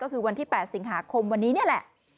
ก็คือวันที่๘สิงหาคมวันนี้นี่แหละ